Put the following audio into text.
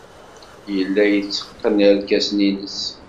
Yella yetteqqen irkasen-nnes.